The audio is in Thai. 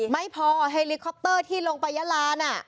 ไม่พอเฮลิคอปเตอร์ที่ลงไปยะลาน